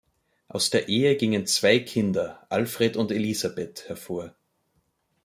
Aus der Ehe gingen zwei Kinder, Alfred und Elisabeth hervor.